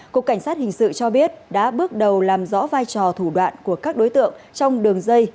cục cảnh sát hình sự cho biết đã bước đầu làm rõ vai trò thủ đoạn của các đối tượng trong đường dây